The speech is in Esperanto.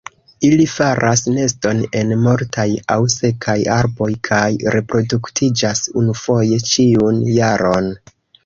Ili faras neston en mortaj aŭ sekaj arboj kaj reproduktiĝas unufoje ĉiun jaron.